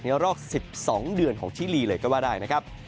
รอบ๑๒เดือนของชิลีเลยก็ว่าได้นะครับ